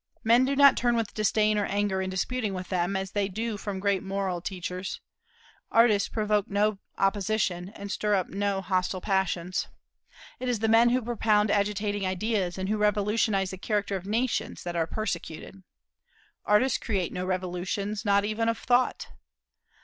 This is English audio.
Men do not turn with disdain or anger in disputing with them, as they do from great moral teachers; artists provoke no opposition and stir up no hostile passions. It is the men who propound agitating ideas and who revolutionize the character of nations, that are persecuted. Artists create no revolutions, not even of thought.